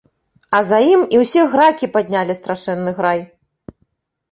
А за ім і ўсе гракі паднялі страшэнны грай.